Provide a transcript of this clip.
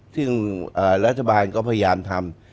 ซึ่งรัฐบาลก็พยายามทำ